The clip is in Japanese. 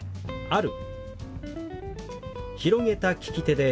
「ある」。